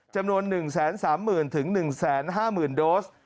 จำนวน๑๓๐๐๐๐ถึง๑๕๐๐๐๐โดส